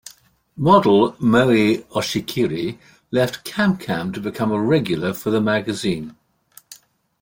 Model Moe Oshikiri left "CanCam" to become a regular for the magazine.